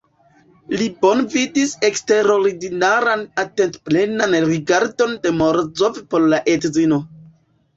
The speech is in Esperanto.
Li bone vidis eksterordinaran, atentplenan rigardon de Morozov por la edzino.